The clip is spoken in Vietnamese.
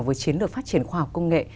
với chiến lược phát triển khoa học công nghệ